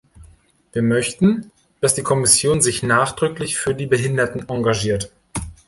Wir möchten, dass die Kommission sich nachdrücklich für die Behinderten engagiert.